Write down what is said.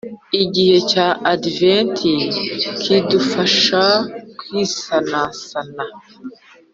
igihe cya adventi kidufasha kwisanasana